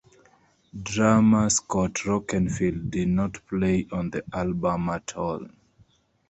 Drummer Scott Rockenfield did not play on the album at all.